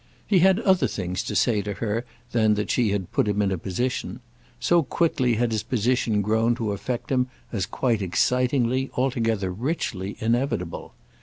He had other things to say to her than that she had put him in a position; so quickly had his position grown to affect him as quite excitingly, altogether richly, inevitable.